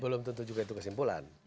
belum tentu juga itu kesimpulan